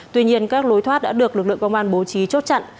tuy nhiên các lối thoát đã được lực lượng công an bố trí chốt chặn